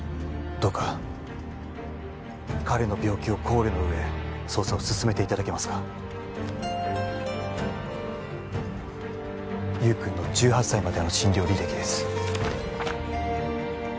どうか彼の病気を考慮の上捜査を進めていただけますか優君の１８歳までの診療履歴です